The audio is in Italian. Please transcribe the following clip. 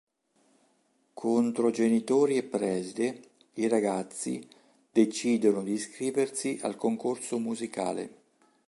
Contro genitori e preside, i ragazzi decidono di iscriversi al concorso musicale.